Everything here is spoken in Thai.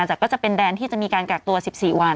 แต่ก็จะเป็นแดนที่จะมีการกักตัว๑๔วัน